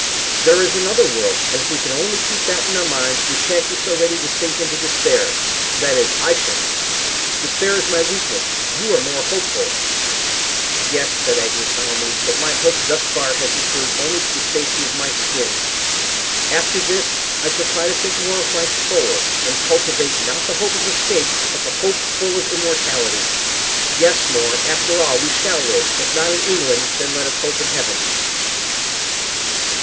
There is another world; and if we can only keep that in our minds we sha'n't be so ready to sink into despair that is, I sha'n't. Despair is my weakness; you are more hopeful." "Yes," said Agnew, solemnly; "but my hope thus far has referred only to the safety of my skin. After this I shall try to think of my soul, and cultivate, not the hope of escape, but the hope full of immortality. Yes, More, after all we shall live, if not in England, then, let us hope, in heaven."